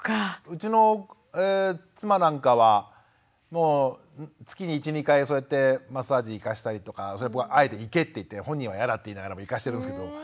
うちの妻なんかはもう月に１２回そうやってマッサージ行かしたりとかあえて行けって言って本人は嫌だって言いながらも行かしてるんですけど。